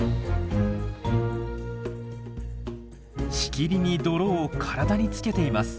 しきりに泥を体につけています。